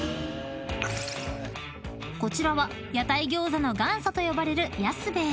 ［こちらは屋台餃子の元祖と呼ばれる］